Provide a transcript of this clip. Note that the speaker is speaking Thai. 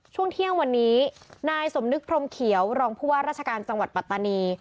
ช่วงเที่ยงวันนี้นายสมนึกพรมเขียวรองผู้ว่าราชการจังหวัดปัตตานี